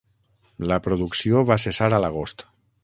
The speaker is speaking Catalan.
La producció va cessar a l'agost.